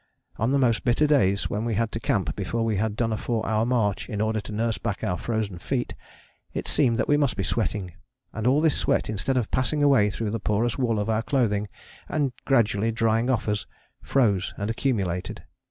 On the most bitter days, when we had to camp before we had done a four hour march in order to nurse back our frozen feet, it seemed that we must be sweating. And all this sweat, instead of passing away through the porous wool of our clothing and gradually drying off us, froze and accumulated.